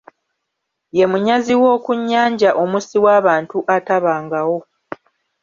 Ye munyazi ow'oku nnyanja omussi w'abantu atabangawo.